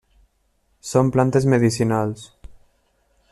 Són plantes medicinals.